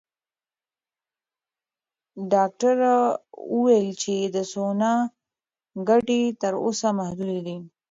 ډاکټره وویل چې د سونا ګټې تر اوسه محدودې دي.